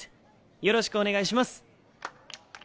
よろしくお願いします。